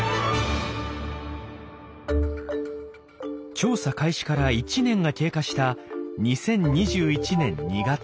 調査開始から１年が経過した２０２１年２月。